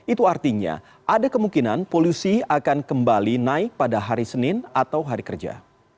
itu artinya ada kemungkinan polusi akan kembali naik pada hari senin atau hari kerja